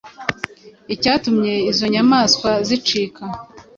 icyatumye izo nyamaswa zicika